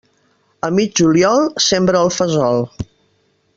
A mig juliol sembra el fesol.